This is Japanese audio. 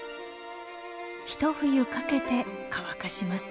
一冬かけて乾かします。